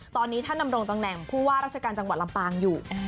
ตอนนี้ท่านดำรงตำแหน่งผู้ว่าราชการจังหวัดลำปางอยู่